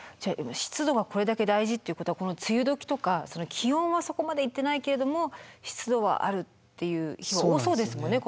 湿度がこれだけ大事っていうことはこの梅雨時とか気温はそこまでいってないけれども湿度はあるっていう日も多そうですもんね